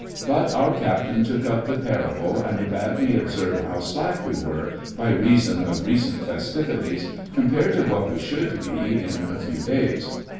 But our Captain took up the parable and bade me observe how slack we were, by reason of recent festivities, compared to what we should be in a few days.